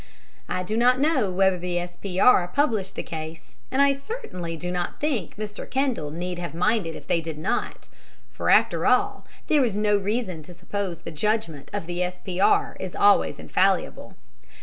I do not know whether the S.P.R. published the case, and I certainly do not think Mr. Kendall need have minded if they did not for after all there is no reason to suppose the judgment of the S.P.R. is always infallible.